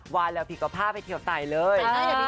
ว่าแล้วผิดกระพร่าไปเที่ยวใต้เลย